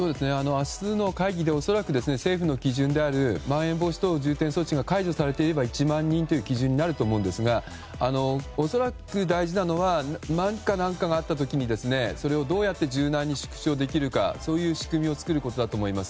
明日の会議で恐らく政府の基準であるまん延防止等重点措置が解除されていれば１万人という基準になると思うんですがおそらく、大事なのは何かあった時にそれをどうやって柔軟に縮小できるか、そういう仕組みを作ることだと思います。